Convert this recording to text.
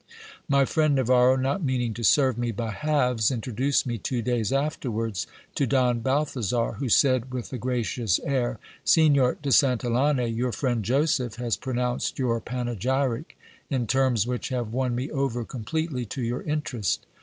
My friend Navarro not meaning to serve me by halves, introduced me two days afterwards to Don Balthasar, who said with a gracious air : Signor de Santillane, your friend Joseph has pronounced your panegyric in terms which have won me over completely to your interest.